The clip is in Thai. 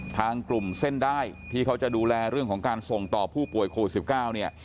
ทางกลุ่มเส้นได้ที่เขาจะดูแลเรื่องของการส่งต่อผู้ป่วยโควิด๑๙เนี่ย